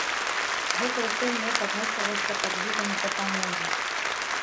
Гэта ўсё мне падносілася пад відам дапамогі.